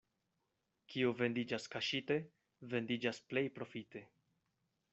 Kio vendiĝas kaŝite, vendiĝas plej profite.